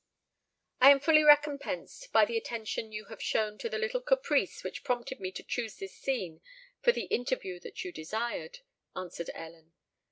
"I am fully recompensed by the attention you have shown to the little caprice which prompted me to choose this scene for the interview that you desired," answered Ellen.